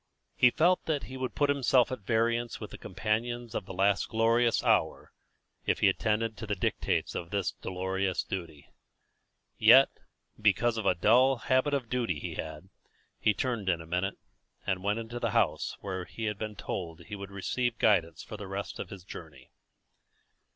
He felt that he would put himself at variance with the companions of the last glorious hour if he attended to the dictates of this dolorous duty. Yet, because of a dull habit of duty he had, he turned in a minute, and went into the house where he had been told he would receive guidance for the rest of his journey.